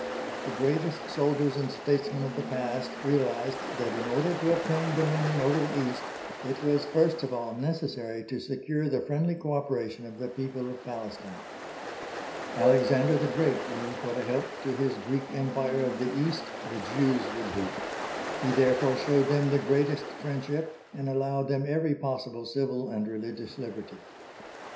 The greatest soldiers and statesmen of the past realised that in order to obtain dominion over the East it was first of all necessary to secure the friendly co operation of the people of Palestine. Alexander the Great knew what a help to his Greek Empire of the East the Jews would be. He therefore showed them the greatest friendship, and allowed them every possible civil and religious liberty.